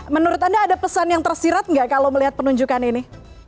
menurut anda ada pesan yang tersirat nggak kalau melihat penunjukan ini